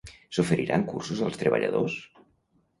S'oferiran cursos als treballadors?